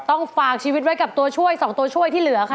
ฝากชีวิตไว้กับตัวช่วย๒ตัวช่วยที่เหลือค่ะ